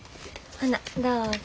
ほなどうぞ。